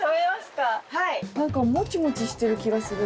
何かモチモチしてる気がする。